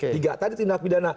tidak tadi tindak pidana